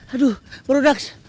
aduh baru naks